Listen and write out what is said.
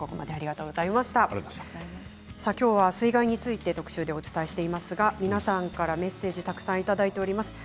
きょうは水害について特集でお伝えしていますが皆さんからメッセージいただいています。